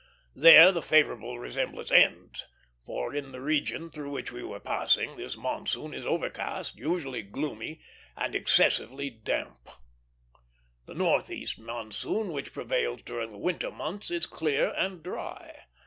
There the favorable resemblance ends; for, in the region through which we were passing, this monsoon is overcast, usually gloomy, and excessively damp. The northeast monsoon, which prevails during the winter months, is clear and dry.